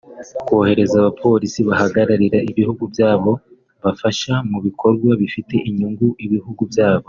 kohereza abapolisi bahagararira ibihugu byabo bafasha mu bikorwa bifitiye inyungu ibihugu byabo